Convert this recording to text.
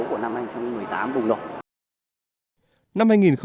của năm hai nghìn một mươi tám bùng nổ